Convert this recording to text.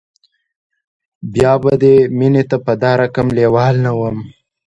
بیا به دې مینې ته په دا رقم لیوال نه وم